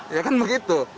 ya kan begitu